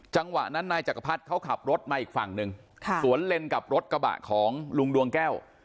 จังหวะนั้นนายจักรพรรดิเขาขับรถมาอีกฝั่งหนึ่งสวนเล่นกับรถกระบะของลุงดวงแก้ว